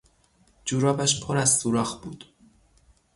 جورابش پر از سوراخ بود.